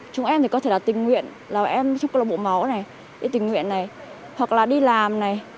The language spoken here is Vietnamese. chúng em thì có thể là tình nguyện là em trong club bộ máu này đi tình nguyện này hoặc là đi làm này